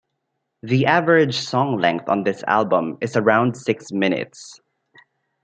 The average song length on this album is around six minutes.